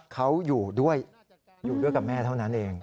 เขาอยู่ด้วยอยู่ด้วยกับแม่เท่านั้นเอง